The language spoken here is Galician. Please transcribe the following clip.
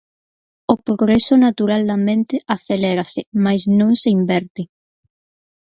O progreso natural da mente acelérase, mais non se inverte.